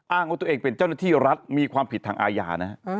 อ้างว่าตัวเองเป็นเจ้าหน้าที่รัฐมีความผิดทางอาญานะฮะ